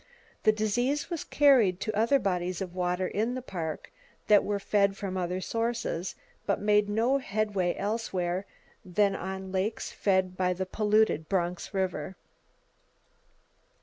The disease was carried to other bodies of water in the Park that were fed from other sources, but made no headway elsewhere than on lakes fed by the polluted Bronx River.